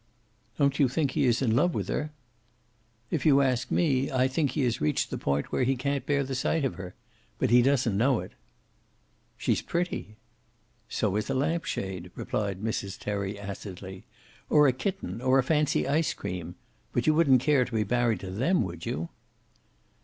"Don't you think he is in love with her?" "If you ask me, I think he has reached the point where he can't bear the sight of her. But he doesn't know it." "She's pretty." "So is a lamp shade," replied Mrs. Terry, acidly. "Or a kitten, or a fancy ice cream. But you wouldn't care to be married to them, would you?"